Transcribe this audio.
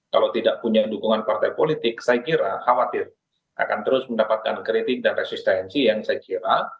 kalau tidak punya dukungan partai politik saya kira khawatir akan terus mendapatkan kritik dan resistensi yang saya kira